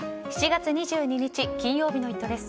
７月２２日、金曜日の「イット！」です。